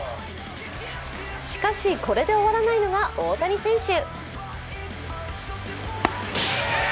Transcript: しかし、これで終わらないのが大谷選手。